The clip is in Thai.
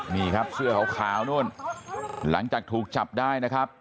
นี่ครับเสื้อขาวนู่นหลังจากถูกจับได้นะครับ